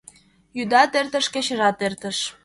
Йӱдат эртыш, кечыжат эртыш —